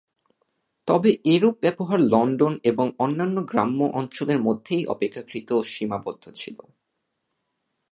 তবে এরূপ ব্যবহার লন্ডন এবং অন্যান্য গ্রাম্য অঞ্চলের মধ্যেই অপেক্ষাকৃত সীমাবদ্ধ ছিল।